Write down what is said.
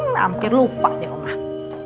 hampir lupa deh om baik